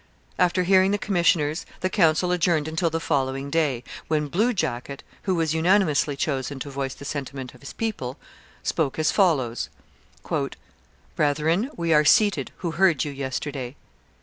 After hearing the commissioners the council adjourned until the following day, when Blue Jacket, who was unanimously chosen to voice the sentiment of his people, spoke as follows: Brethren, we are seated who heard you yesterday.